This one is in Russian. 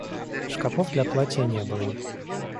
Шкапов для платья не было.